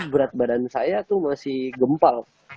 berat badan saya itu masih gempal